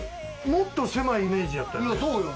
もっと狭いイメージやったよね。